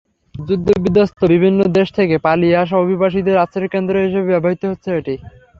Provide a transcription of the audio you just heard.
যুদ্ধবিধ্বস্ত বিভিন্ন দেশ থেকে পালিয়ে আসা অভিবাসীদের আশ্রয়কেন্দ্র হিসেবে ব্যবহৃত হচ্ছে এটি।